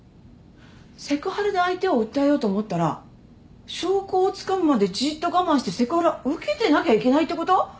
セクハラで相手を訴えようと思ったら証拠をつかむまでじっと我慢してセクハラ受けてなきゃいけないってこと？